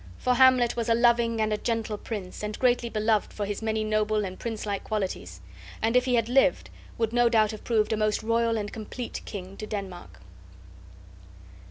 For Hamlet was a loving and a gentle prince and greatly beloved for his many noble and princelike qualities; and if he had lived, would no doubt have proved a most royal and complete king to Denmark.